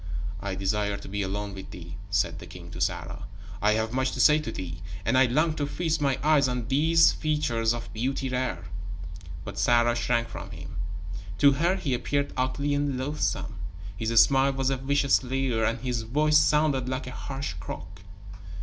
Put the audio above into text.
"I desire to be alone with thee," said the king to Sarah. "I have much to say to thee, and I long to feast my eyes on those features of beauty rare." But Sarah shrank from him. To her, he appeared ugly and loathsome. His smile was a vicious leer, and his voice sounded like a harsh croak.